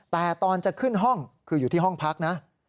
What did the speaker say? แต่ตอนจะขึ้นห้องคืออยู่ที่ห้องพักนะ